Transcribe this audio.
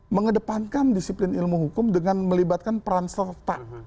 mengedepankan disiplin ilmu hukum dengan melibatkan peran serta